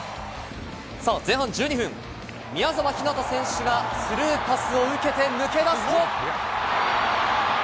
前半１２分、宮澤ひなた選手がスルーパスを受けて抜け出すと。